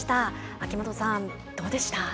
秋元さん、どうでした？